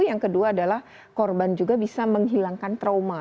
yang kedua adalah korban juga bisa menghilangkan trauma